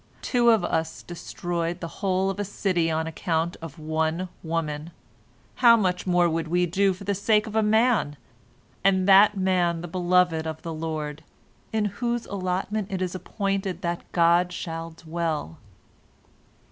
Two of us destroyed the whole of a city on account of one woman, how much more would we do it for the sake of a man, and that man the beloved of the Lord, in whose allotment it is appointed that God shall dwell!